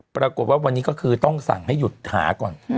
ปรากฏว่าวันนี้ก็คือต้องสั่งให้หยุดหาก่อน